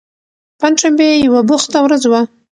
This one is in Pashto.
پنجشنبه یوه بوخته ورځ وه.